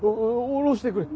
下ろしてくれ。